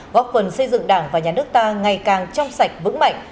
góp phần xây dựng đảng và nhà nước ta ngày càng trong sạch vững mạnh